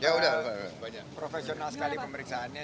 ya udah profesional sekali pemeriksaannya